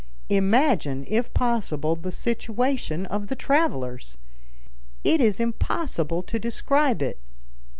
Imagine, if possible, the situation of the travelers! It is impossible to describe it.